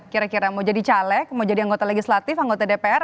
kira kira mau jadi caleg mau jadi anggota legislatif anggota dpr